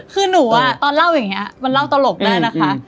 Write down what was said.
คือหนูตอนเล่าอย่างนี้มันเล่าตลกได้นะคะ